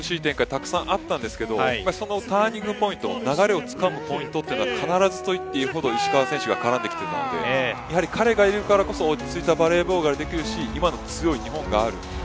たくさんあったんですけどそのターニングポイント流れをつかむポイントというのは必ずと言っていいほど石川選手が絡んできているのでやはり彼がいるからこそ落ち着いたバレーボールができるし今の強い日本がある。